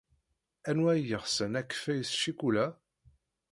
Anwa ay yeɣsen akeffay s ccikula?